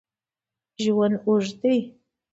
ژوند اوږد دی